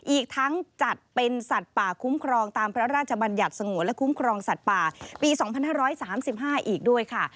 อีกทั้งจัดเป็นสัตว์ป่าคุ้มครองตามพระราชบัญญัติสงวนและคุ้มครองสัตว์ป่าปี๒๕๓๕อีกด้วยค่ะ